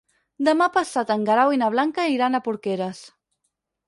Demà passat en Guerau i na Blanca iran a Porqueres.